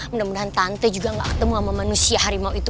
mudah mudahan tante juga gak ketemu sama manusia harimau itu